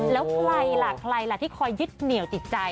แล้วใครล่ะใครล่ะที่คอยยึดเหนี่ยวจิตใจ